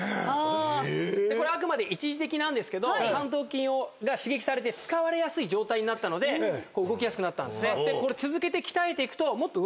これはあくまで一時的なんですけど三頭筋が刺激されて使われやすい状態になったので動きやすくなったんですね。